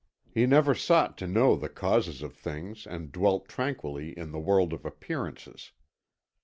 He never sought to know the causes of things and dwelt tranquilly in the world of appearances.